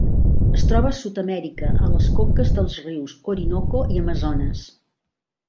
Es troba a Sud-amèrica, a les conques dels rius Orinoco i Amazones.